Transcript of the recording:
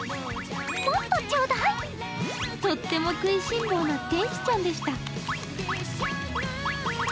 とっても食いしん坊な天使ちゃんでした。